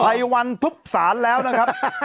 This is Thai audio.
ภัยวันทุบสารแล้วนะครับ